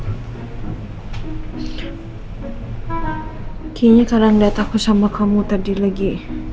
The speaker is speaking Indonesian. kayaknya karang dataku sama kamu tadi lagi